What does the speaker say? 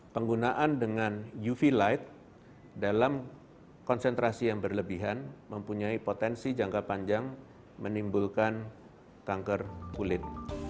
penggunaan dengan uv light dalam konsentrasi yang berlebihan mempunyai potensi jangka panjang menimbulkan kanker kulit